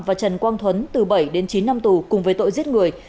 và trần quang thuấn từ bảy đến chín năm tù cùng với tội giết người